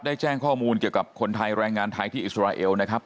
แจ้งข้อมูลเกี่ยวกับคนไทยแรงงานไทยที่อิสราเอลนะครับ